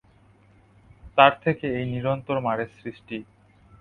তার থেকে এই নিরন্তর মারের সৃষ্টি।